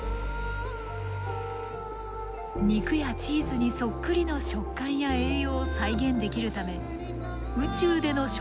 肉やチーズにそっくりの食感や栄養を再現できるため宇宙での食事に応用しようとしています。